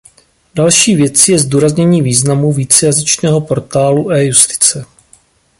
Další věcí je zdůraznění významu vícejazyčného portálu e-justice.